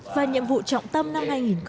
và nhiệm vụ trọng tâm năm hai nghìn một mươi bảy